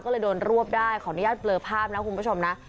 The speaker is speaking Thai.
ก็เลยโดนรวบได้ขออนุญาตเบลอภาพนะคุณผู้ชมนะ